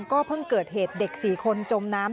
ก็เพิ่งเกิดเหตุเด็ก๔คนจมน้ำ